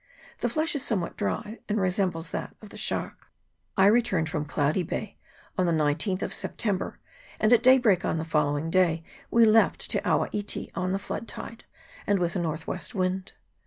The flesh is somewhat dry, and resembles that of the shark. I returned from Cloudy Bay on the 19th of Sep tember, and at daybreak on the following day we left Te awa iti on the flood tide, and with a north west wind.